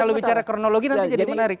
kalau bicara kronologi nanti jadi menarik